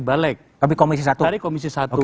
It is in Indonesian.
balek tapi komisi satu tadi komisi satu